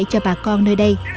cho bà con nơi đây